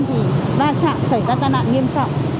thì ra chạm chảy ra tai nạn nghiêm trọng